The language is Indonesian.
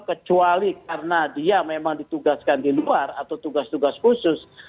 kecuali karena dia memang ditugaskan di luar atau tugas tugas khusus